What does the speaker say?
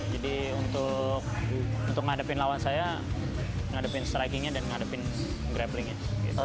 jadi untuk menghadapi lawan saya menghadapi strikingnya dan menghadapi grapplingnya